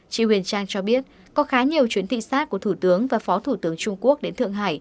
chị huyền trang cho biết có khá nhiều chuyến thị sát của thủ tướng và phó thủ tướng trung quốc đến thượng hải